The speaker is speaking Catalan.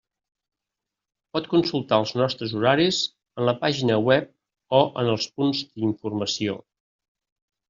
Pot consultar els nostres horaris en la pàgina web o en els punts d'informació.